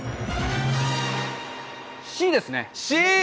Ｃですね。